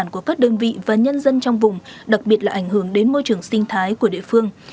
của các đơn vị và nhân dân trong vùng đặc biệt là ảnh hưởng đến môi trường sinh thái của địa phương